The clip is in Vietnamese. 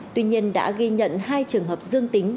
tuy nhiên đã ghi nhận hai trường hợp dương tính